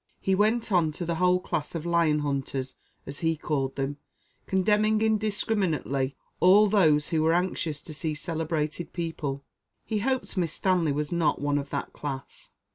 He went on to the whole class of 'lion hunters,' as he called them, condemning indiscriminately all those who were anxious to see celebrated people; he hoped Miss Stanley was not one of that class.